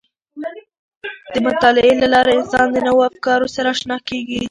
د مطالعې له لارې انسان د نوو افکارو سره آشنا کیږي.